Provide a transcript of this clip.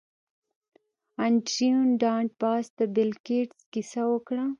انډریو ډاټ باس د بیل ګیټس کیسه وکړه